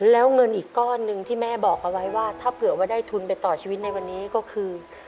แล้วเงินอีกก้อนหนึ่งที่แม่บอกเอาไว้ว่าถ้าเผื่อว่าได้ทุนไปต่อชีวิตในวันนี้ก็คือ